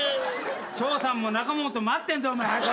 長さんも仲本も待ってんぞお前早く。